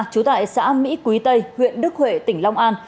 trú tại xã mỹ quý tây huyện đức huệ tỉnh long an